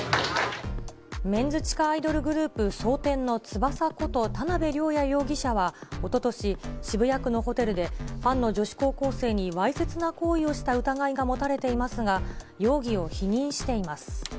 メンズ地下アイドルグループ、蒼天の翼こと田辺りょうや容疑者は、おととし、渋谷区のホテルでファンの女子高校生にわいせつな行為をした疑いが持たれていますが、容疑を否認しています。